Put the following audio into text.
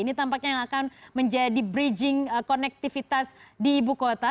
ini tampaknya yang akan menjadi bridging konektivitas di ibu kota